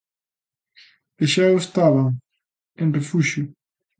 E xa o estaban en 'Refuxio'.